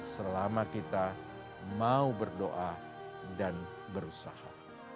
selama kita mau berdoa dan berusaha